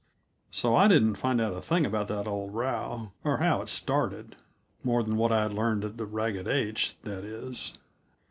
So I didn't find out a thing about that old row, or how it started more than what I'd learned at the Ragged H, that is.